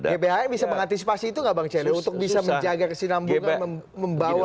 gbh yang bisa mengantisipasi itu tidak bang ciri untuk bisa menjaga kesinambungan membawa